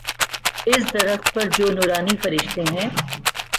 اس درخت پر جو نوارنی فرشتے ہیں۔